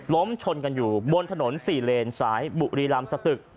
ล้มชนกันอยู่บนถนน๔เลนสายบุรีรำสตึก